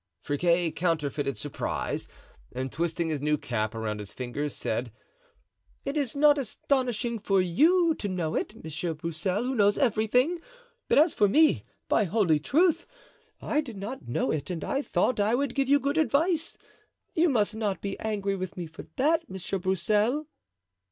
Friquet counterfeited surprise, and twisting his new cap around in his fingers, said: "It is not astonishing for you to know it, Monsieur Broussel, who knows everything; but as for me, by holy truth, I did not know it and I thought I would give you good advice; you must not be angry with me for that, Monsieur Broussel."